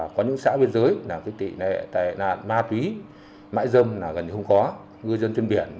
có những xã biên giới tỉ nệ tài nạn ma túy mãi dâm gần như không có gư dân trên biển